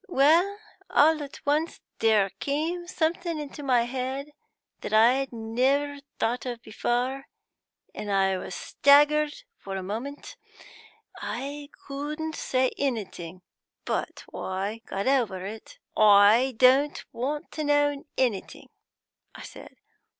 Well, all at once there came something into my head that I'd never thought of before, and I was staggered for a moment; I couldn't say anything. But I got over it. 'I don't want to know anything,' I said.